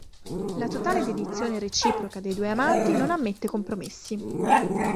La totale dedizione reciproca dei due amanti non ammette compromessi.